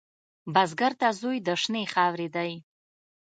بزګر ته زوی د شنې خاورې دی